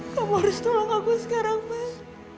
kamu harus tolong aku sekarang mas